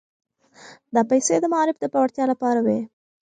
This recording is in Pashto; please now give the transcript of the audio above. دا پيسې د معارف د پياوړتيا لپاره وې.